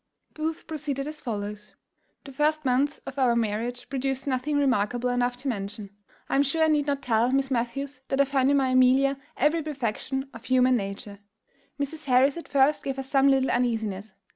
_ Booth proceeded as follows: "The first months of our marriage produced nothing remarkable enough to mention. I am sure I need not tell Miss Matthews that I found in my Amelia every perfection of human nature. Mrs. Harris at first gave us some little uneasiness.